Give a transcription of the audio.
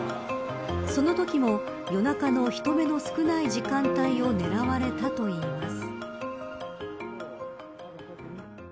そのときも夜中の人目の少ない時間帯を狙われたといいます。